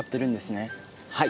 はい。